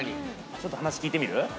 ちょっと話聞いてみる？